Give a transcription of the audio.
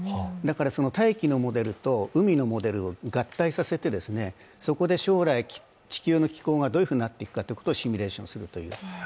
その大気のモデルと海のモデルを合体させてそこで将来、地球の気候がどういうふうになるかシミュレーションするという。